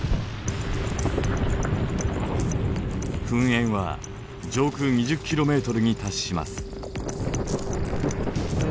噴煙は上空２０ｋｍに達します。